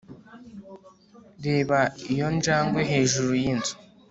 reba iyo njangwe hejuru yinzu